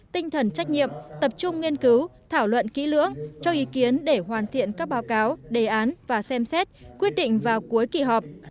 tinh thần trách nhiệm tập trung nghiên cứu thảo luận kỹ lưỡng cho ý kiến để hoàn thiện các báo cáo đề án và xem xét quyết định vào cuối kỳ họp